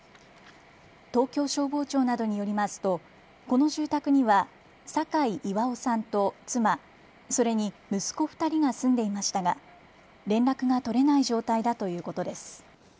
東京消防庁などによりますとこの住宅には酒井巌さんと妻、それに息子２人が住んでいましたが連絡が取れない状態だということです。